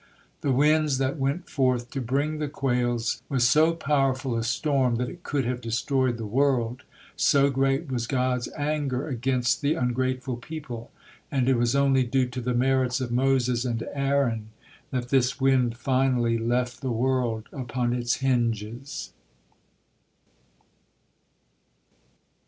The winds that went forth to bring the quails was so powerful a storm that it could have destroyed the world, so great was God's anger against the ungrateful people, and it was only due to the merits of Moses and Aaron that this wind finally left the world upon its hinges.